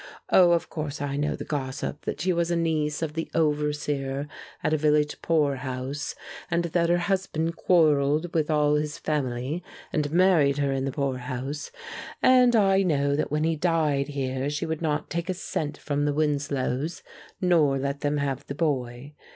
Oh, of course I know the gossip that she was a niece of the overseer at a village poor house, and that her husband quarrelled with all his family and married her in the poor house, and I know that when he died here she would not take a cent from the Winslows, nor let them have the boy.